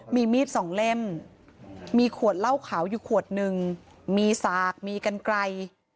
มีมีดสองเล่มมีขวดเหล้าขาวอยู่ขวดหนึ่งมีสากมีกันไกล